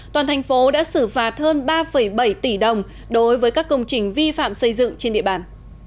toàn thành phố đã xử phạt hơn ba bảy tỷ đồng đối với các công trình vi phạm xây dựng trên địa bàn